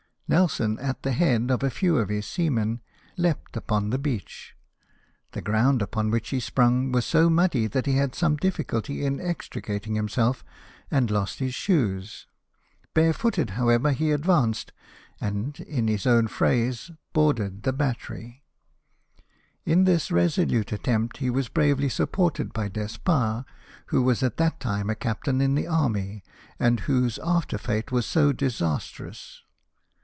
Nelson, at the head of a few of his seamen, leaped upon the beach. The ground upon which he sprung was so muddy that he had some difficulty in extri cating himself, and lost his shoes; barefooted, how ever, he advanced, and, in his own phrase, boarded NAMROW ESCAPE FROM A SNAKE. 21 the battery. In this resohite attempt he was bravely supported by Despard, who was at that time a captain in the army, and whose after fate was so disastrous.